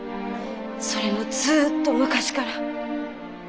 それもずっと昔から。